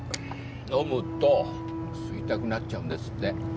飲むと吸いたくなっちゃうんですって。